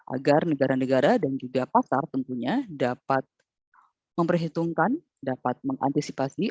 agar negara negara dan juga pasar tentunya dapat memperhitungkan dapat mengantisipasi